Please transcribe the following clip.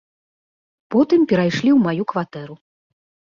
Потым перайшлі ў маю кватэру.